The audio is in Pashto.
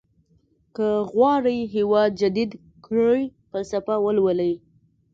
که غواړئ هېواد جديد کړئ فلسفه ولولئ.